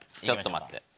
ちょっと待って。